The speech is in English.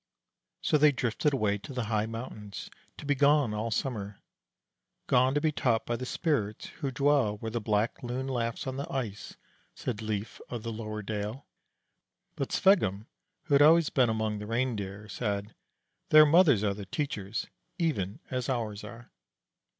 So they drifted away to the high mountains, to be gone all summer. "Gone to be taught by the spirits who dwell where the Black Loon laughs on the ice," said Lief of the Lower Dale; but Sveggum, who had always been among the Reindeer, said: "Their mothers are the teachers, even as ours are."